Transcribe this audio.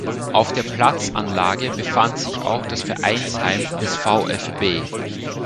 Auf der Platzanlage befand sich auch das Vereinsheim des VfB.